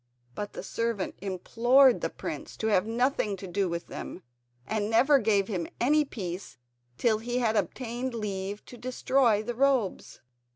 But the servant implored the prince to have nothing to do with them, and never gave him any peace till he had obtained leave to destroy the robes.